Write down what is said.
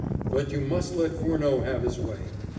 But you must let Furneaux have his way.